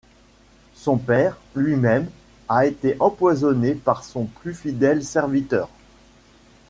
Son père, lui-même, a été empoisonné par son plus fidèle serviteur.